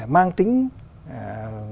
mang tính cấp bản